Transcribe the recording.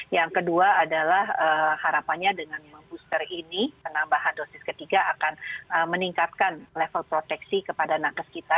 yang kedua adalah harapannya dengan booster ini penambahan dosis ketiga akan meningkatkan level proteksi kepada nakes kita